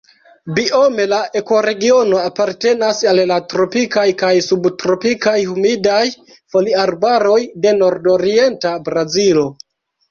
Biome la ekoregiono apartenas al la tropikaj kaj subtropikaj humidaj foliarbaroj de nordorienta Brazilo.